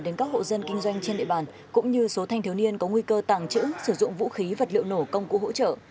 đến các hộ dân kinh doanh trên địa bàn cũng như số thanh thiếu niên có nguy cơ tàng trữ sử dụng vũ khí vật liệu nổ công cụ hỗ trợ